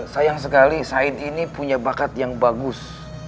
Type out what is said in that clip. sayang sekali said ini punya bakat yang bagus